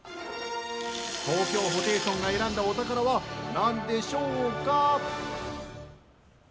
東京ホテイソンが選んだお宝は何でしょうか？